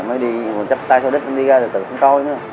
mới đi chấp tay sau đứt em đi ra từ từ không coi nữa